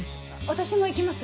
私も行きます。